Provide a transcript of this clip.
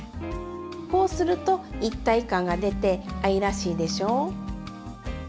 こうすると一体感が出て愛らしいでしょ！